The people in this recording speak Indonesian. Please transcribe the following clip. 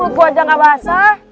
mulut gue aja ga basah